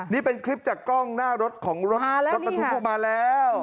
นี่เป็นคลิปจากกล้องหน้ารถของรถบรรทุกออกมาแล้ว